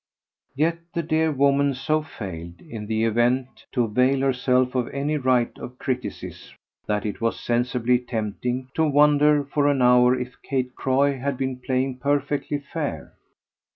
Yet the dear woman so failed, in the event, to avail herself of any right of criticism that it was sensibly tempting to wonder for an hour if Kate Croy had been playing perfectly fair.